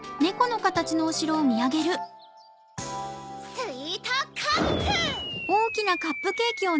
スイートカップ！